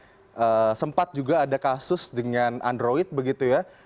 jadi sempat juga ada kasus dengan android begitu ya